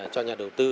cho nhà đầu tư